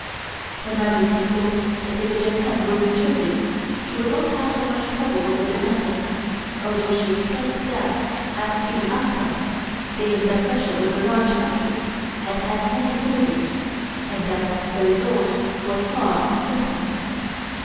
Her Majesty thought that if Japan were victorious, she would not have so much trouble over the matter, although she expressed doubts as to the outcome, saying that Russia was a large country and had many soldiers, and that the result was far from certain.